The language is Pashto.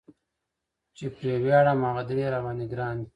چې پرې وياړم هغه درې را باندي ګران دي